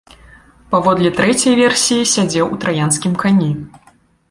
Паводле трэцяй версіі, сядзеў у траянскім кані.